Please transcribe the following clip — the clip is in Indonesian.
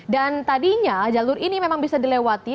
dan tadinya jalur ini memang bisa dilewati